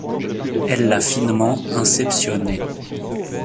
Elle l’a finement inceptionné.